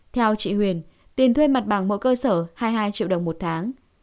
theo chị huyền tiền thuê mặt bằng mỗi cơ sở hai mươi hai triệu đồng một tháng